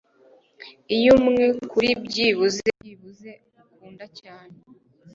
Iyo umwe kuri byibuze byibuze ukunda cyane